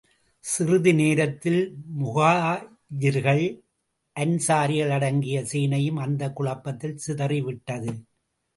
சிறிது நேரத்தில், முஹாஜிர்கள், அன்ஸாரிகள் அடங்கிய சேனையும் அந்தக் குழப்பத்தில் சிதறி விட்டது.